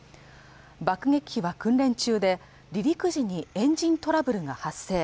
爆撃機は訓練中で離陸時にエンジントラブルが発生